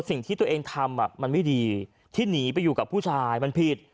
สิ่งที่ตัวเองทำมันไม่ดีที่หนีไปอยู่กับผู้ชายมันผิด